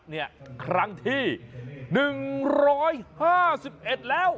นี่ครั้งที่๑๕๑แล้ว